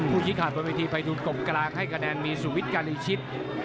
คู่คิดขาดบนพิธีภัยดูดกลมกลางให้กระแนนมีสูงวิทย์การิชิต